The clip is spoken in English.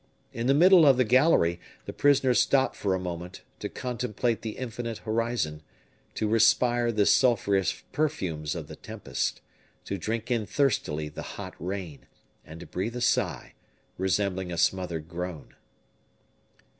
In the middle of the gallery, the prisoner stopped for a moment, to contemplate the infinite horizon, to respire the sulphurous perfumes of the tempest, to drink in thirstily the hot rain, and to breathe a sigh resembling a smothered groan.